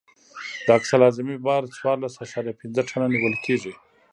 د اکسل اعظمي بار څوارلس اعشاریه پنځه ټنه نیول کیږي